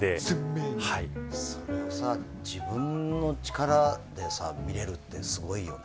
自分の力で見れるってすごいよね。